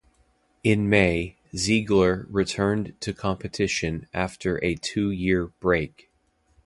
In May, Ziegler returned to competition after a two-year break.